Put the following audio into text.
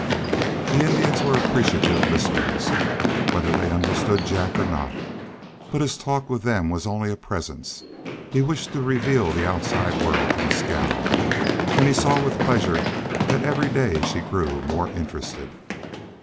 The Indians were appreciative listeners, whether they understood Jack or not, but his talk with them was only a presence. He wished to reveal the outside world to Mescal, and he saw with pleasure that every day she grew more interested.